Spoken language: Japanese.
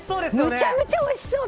めちゃめちゃおいしそう！